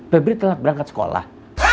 beberi telat berangkat sekolah